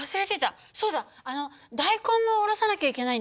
そうだあの大根もおろさなきゃいけないんだ。